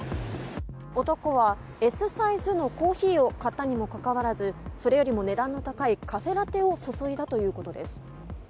男はＳサイズのコーヒーを買ったにもかかわらずそれよりも値段の高いカフェラテを注いだということです。